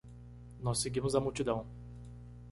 Nós seguimos a multidão